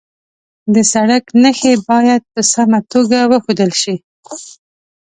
د سړک نښې باید په سمه توګه وښودل شي.